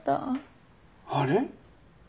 あれ？